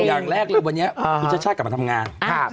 อย่างแรกเลยวันนี้คุณชาติชาติกลับมาทำงาน